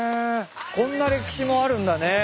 こんな歴史もあるんだね。